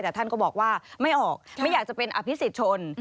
แต่ท่านก็บอกว่าไม่ออกไม่อยากจะเป็นอภิษฎชน